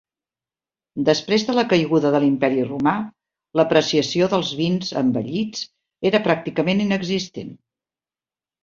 Després de la caiguda de l'Imperi Romà, l'apreciació dels vins envellits era pràcticament inexistent.